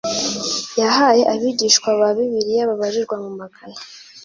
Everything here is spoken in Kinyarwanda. yahaye Abigishwa ba Bibiliya babarirwa mu magana